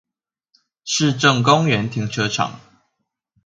市政公園停車場